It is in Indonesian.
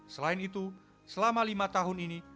selain itu selama lima tahun ini